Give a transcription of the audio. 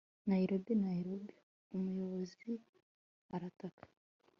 nairobi! nairobi! umuyobozi arataka